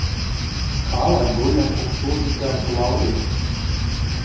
Kā lai guļam uz šo gigantu lauriem?